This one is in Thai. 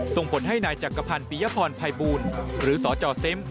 ส่งผลให้นายจักรพันธ์ปียพรภัยบูลหรือสจเซ้ม